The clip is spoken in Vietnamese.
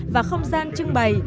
và không gian trưng bày